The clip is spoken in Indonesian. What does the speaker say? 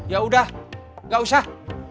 ya udah gak usah